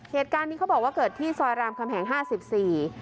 เหตุการณ์นี้เขาบอกว่าเกิดที่ซอยรามคำแหงห้าสิบสี่